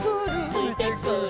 「ついてくる」